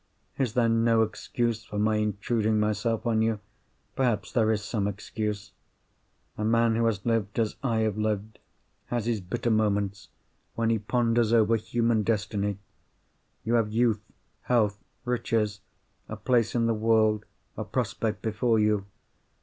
Is there no excuse for my intruding myself on you? Perhaps there is some excuse. A man who has lived as I have lived has his bitter moments when he ponders over human destiny. You have youth, health, riches, a place in the world, a prospect before you.